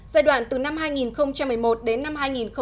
giai đoạn từ năm hai nghìn một mươi một đến năm hai nghìn một mươi sáu